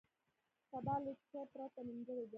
سبا له چای پرته نیمګړی دی.